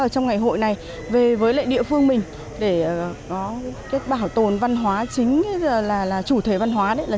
trong ngày hội này về với lại địa phương mình để có bảo tồn văn hóa chính là chủ thể văn hóa